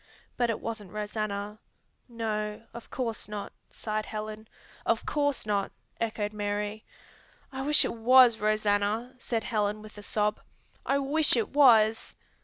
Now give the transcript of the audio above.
But it wasn't Rosanna." "No, of course not," sighed Helen. "Of course not!" echoed Mary. "I wish it was Rosanna," said Helen with a sob. "I wish it was!"